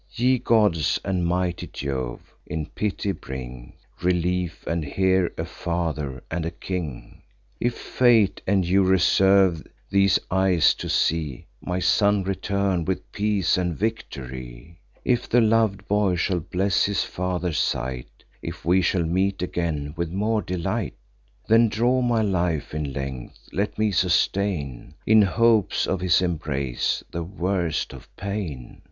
Ye gods, and mighty Jove, in pity bring Relief, and hear a father and a king! If fate and you reserve these eyes, to see My son return with peace and victory; If the lov'd boy shall bless his father's sight; If we shall meet again with more delight; Then draw my life in length; let me sustain, In hopes of his embrace, the worst of pain.